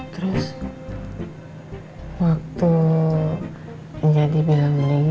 terus waktunya dibilang bilang